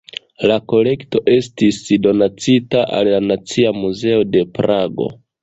La kolekto estis donacita al la Nacia Muzeo de Prago.